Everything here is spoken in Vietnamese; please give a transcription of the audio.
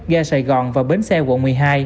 ga sài gòn và bến xe quận một mươi hai